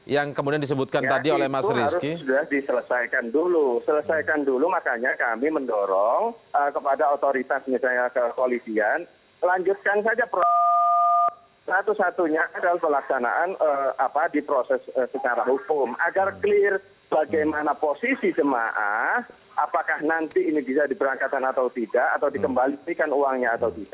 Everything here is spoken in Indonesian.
yang kemudian disebutkan tadi oleh mas rizky